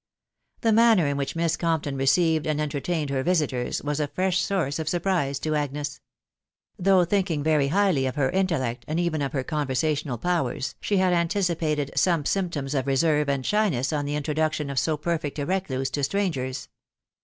The manner in which Miss Compton received and enter, tained her visiters, was a fresh source of surprise to Agnes. Though thinking very highly of her intellect, and even of her conversational powers, she had anticipated some symptoms of reserve and shyness on the introduction of so perfect a recluse • to strangers.